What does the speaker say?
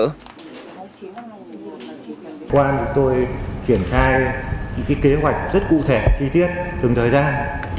cơ quan quản lý đã đưa ra những kế hoạch rất cụ thể chi tiết từng thời gian